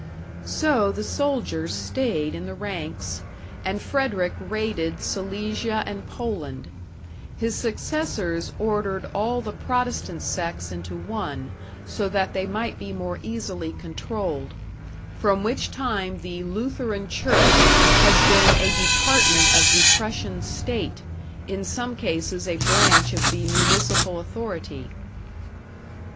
So the soldiers stayed in the ranks, and Frederick raided Silesia and Poland. His successors ordered all the Protestant sects into one, so that they might be more easily controlled; from which time the Lutheran Church has been a department of the Prussian state, in some cases a branch of the municipal authority.